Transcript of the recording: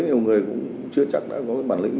nhiều người cũng chưa chắc đã có bản lĩnh